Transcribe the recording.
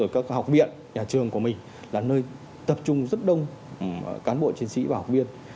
các học viện nhà trường của mình là nơi tập trung rất đông cán bộ chiến sĩ và học viên